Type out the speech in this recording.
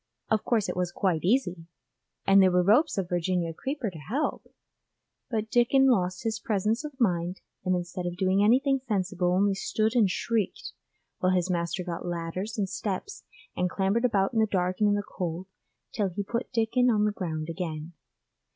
Of course it was quite easy, and there were ropes of Virginia creeper to help, but Dickon lost his presence of mind, and instead of doing anything sensible only stood and shrieked, while his master got ladders and steps and clambered about in the dark and in the cold, till he put Dickon on the ground again.